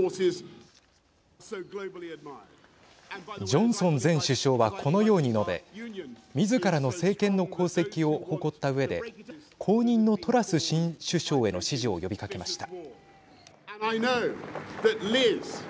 ジョンソン前首相はこのように述べみずからの政権の功績を誇ったうえで後任のトラス新首相への支持を呼びかけました。